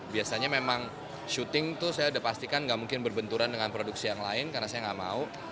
biasanya memang syuting tuh saya udah pastikan nggak mungkin berbenturan dengan produksi yang lain karena saya nggak mau